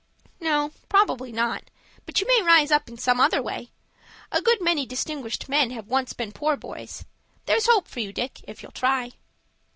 "No, probably not, but you may rise in some other way. A good many distinguished men have once been poor boys. There's hope for you, Dick, if you'll try."